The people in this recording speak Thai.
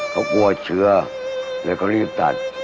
เขากลัวเชื้อเลยเขารีบตัด